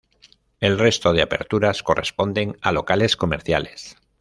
El resto de aperturas corresponden a locales comerciales.